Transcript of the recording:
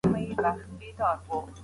پرمختيا پرته له اقتصادي ودي شونې نه ده.